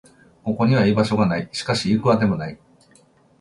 ここには居場所がない。しかし、行く当てもない。